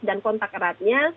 dan kontak eratnya